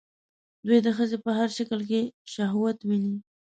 دوی د ښځې په هر شکل کې شهوت ويني